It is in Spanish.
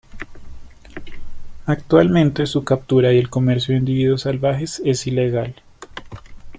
Actualmente su captura y el comercio de individuos salvajes es ilegal.